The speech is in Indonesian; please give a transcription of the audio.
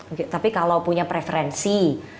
oke tapi kalau punya preferensi